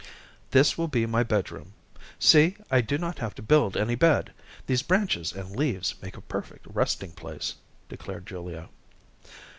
"This will be my bedroom. See, I do not have to build any bed. These branches and leaves make a perfect resting place," declared Julia.